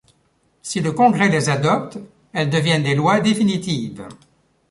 Si le Congrès les adopte, elles deviennent des lois définitives.